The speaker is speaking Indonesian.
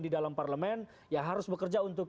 di dalam parlemen ya harus bekerja untuk